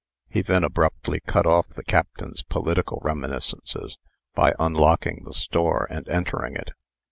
He then abruptly cut off the Captain's political reminiscences, by unlocking the store and entering it.